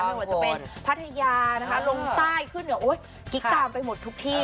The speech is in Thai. ไม่ว่าจะเป็นพัทยานะคะลงใต้ขึ้นเหนือโอ๊ยกิ๊กตามไปหมดทุกที่